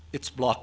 jelas dan berharap